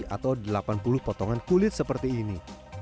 atau delapan puluh potongan kulit seperti ini